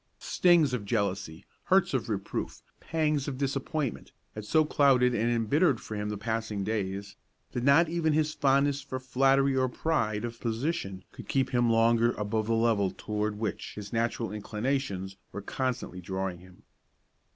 Stings of jealousy, hurts of reproof, pangs of disappointment, had so clouded and embittered for him the passing days, that not even his fondness for flattery or pride of position could keep him longer above the level toward which his natural inclinations were constantly drawing him.